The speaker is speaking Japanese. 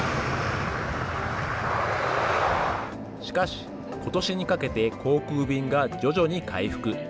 しかしことしにかけて航空便が徐々に回復。